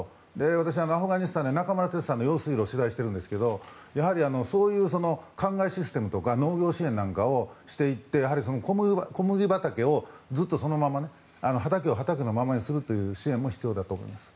私、アフガニスタンで用水路を取材してるんですけどやはりそういう灌漑システムとか農業支援をしていって小麦畑を、そのまま畑を畑のままにするという支援も必要だと思います。